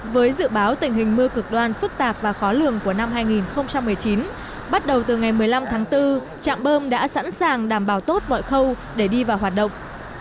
với dự báo tình hình mưa cực đoan phức tạp và khó lường của năm hai nghìn một mươi chín bắt đầu từ ngày một mươi năm tháng bốn trạm bơm đã sẵn sàng đảm bảo tốt mọi khâu để đi vào hoạt động